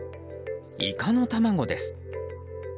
イカの卵です。